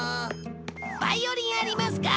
バイオリンありますか？